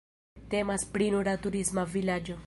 Temas pri nura turisma vilaĝo.